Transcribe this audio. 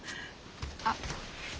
あっ。